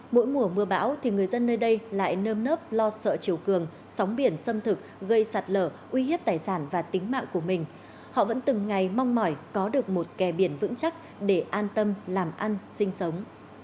mỗi mùa mưa bão thì người dân nơi đây lại nơm nớp lo sợ chiều cường sóng biển xâm thực gây sạt lở uy hiếp tài sản và tính mạng của mình họ vẫn từng ngày mong mỏi có được một kẻ biển vững chắc để an tâm làm ăn sinh sống